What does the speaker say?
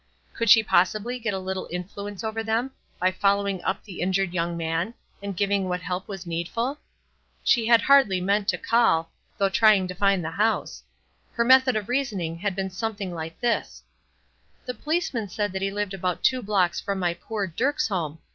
Could she possibly get a little influence over them by following up the injured young man, and giving what help was needful? She had hardly meant to call, though trying to find the house. Her method of reasoning had been something like this: "The policeman said he lived about two blocks from my poor Dirk's home.